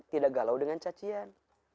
tidak galau dengan cacian